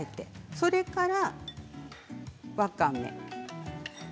それからわかめ。